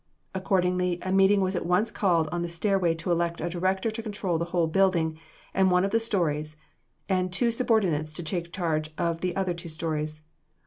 Accordingly, a meeting was at once called on the stairway to elect a director to control the whole building and one of the stories, and two subordinates to take charge of the other two stories.